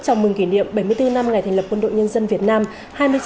chào mừng kỷ niệm bảy mươi bốn năm ngày thành lập quân đội nhân dân việt nam